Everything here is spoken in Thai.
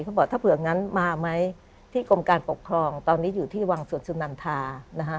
เขาบอกถ้าเผื่องั้นมาไหมที่กรมการปกครองตอนนี้อยู่ที่วังสวนสุนันทานะฮะ